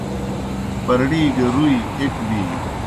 پرڑِی گہ رُوئی ایْک بینیْ۔